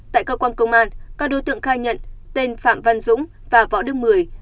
tại cơ quan công an các đối tượng khai nhận tên phạm văn dũng và võ đức mười